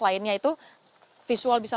lainnya itu visual bisa